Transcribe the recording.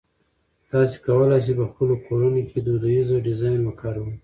تاسي کولای شئ په خپلو کورونو کې دودیزه ډیزاین وکاروئ.